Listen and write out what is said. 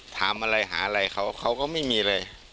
ถามอะไรหาอะไรเขาก็ไม่มีอะไร